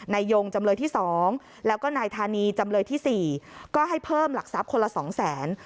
ยงจำเลยที่๒แล้วก็นายธานีจำเลยที่๔ก็ให้เพิ่มหลักทรัพย์คนละสองแสน